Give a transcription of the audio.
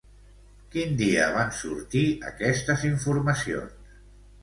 Quin dia van sortir aquestes informacions?